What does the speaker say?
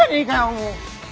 もう。